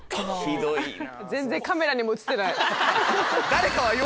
ひどいな。